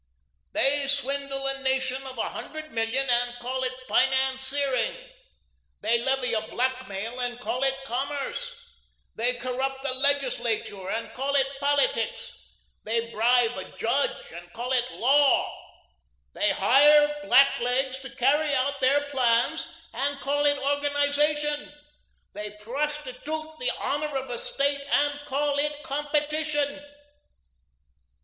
"They swindle a nation of a hundred million and call it Financiering; they levy a blackmail and call it Commerce; they corrupt a legislature and call it Politics; they bribe a judge and call it Law; they hire blacklegs to carry out their plans and call it Organisation; they prostitute the honour of a State and call it Competition.